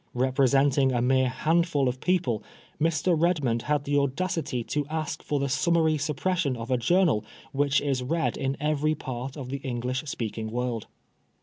Representing a mere handful of people, Mr. Redmond had tlie audacity to ask for the summary suppression of a journal which is read in every part of the English speaking world.